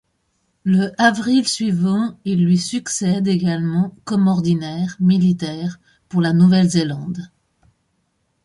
Le avril suivant, il lui succède également comme ordinaire militaire pour la Nouvelle-Zélande.